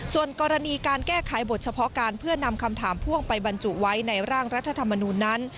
ส่วนกรณีการแก้ไขบทเฉพาะการเพื่อนำคำถามพ่วงไปบรรจุไว้ในร่างรัฐธรรมนูลนั้น